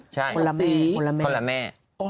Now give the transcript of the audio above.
ใช่คนละแม่